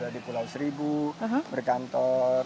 di pulau seribu berkantor